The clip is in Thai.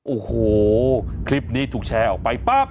โอ้โหคลิปนี้ถูกแชร์ออกไปปั๊บ